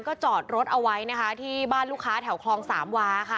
ก็จอดรถเอาไว้นะคะที่บ้านลูกค้าแถวคลองสามวาค่ะ